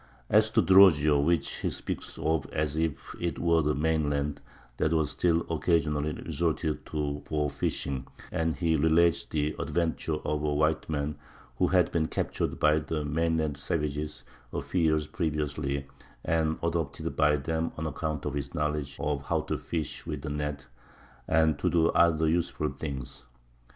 As to Drogeo,—which he speaks of as if it were the mainland,—that was still occasionally resorted to for fishing; and he relates the adventures of a white man who had been captured by the mainland savages a few years previously, and adopted by them on account of his knowledge of how to fish with a net, and to do other useful things.